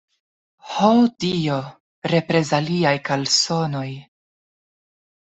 Ho Dio, reprezaliaj kalsonoj!